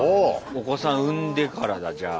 お子さん産んでからだじゃあ。